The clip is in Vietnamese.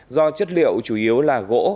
do chất liệu chủ yếu là gỗ